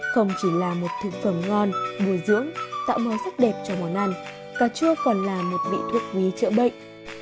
không chỉ là một thực phẩm ngon mùi dưỡng tạo màu sắc đẹp cho món ăn cà chua còn là một vị thuốc quý chữa bệnh